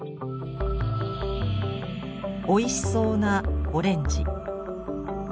おいしそうなオレンジ。